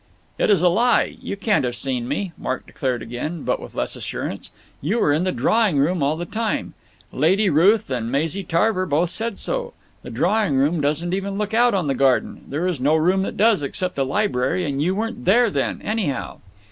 "It is a lie. You can't have seen me," Mark declared again, but with less assurance. "You were in the drawing room all the time. Lady Ruth and Maisie Tarver both said so. The drawing room doesn't even look out on the garden. There is no room that does, except the library, and you weren't there then, anyhow."